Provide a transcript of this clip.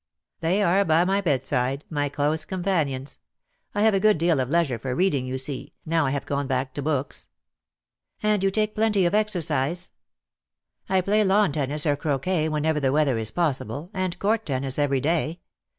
"They are by my bedside — my close companions. I have a good deal of leisure for reading, you see, now I have gone back to books." "And you take plenty of exercise." "I play lawn tennis or croquet whenever the weather is possible, and court tennis every day.